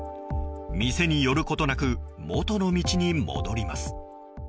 店に寄ることなく元の道に戻ります。